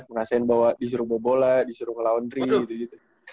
ngerasain bahwa disuruh mau bola disuruh ngelawan tri gitu gitu